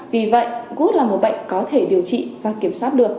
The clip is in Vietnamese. vì vậy gút là một bệnh có thể điều trị và kiểm soát được